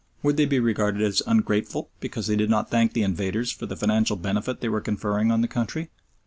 Would they be regarded as "ungrateful" because they did not thank the invaders for the financial benefit they were conferring on the country?